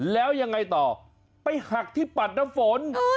แล้วยังไงต่อไปหักที่ปัดน้ำฝน